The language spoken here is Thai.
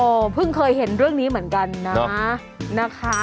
เพิ่งเคยเห็นเรื่องนี้เหมือนกันนะนะคะ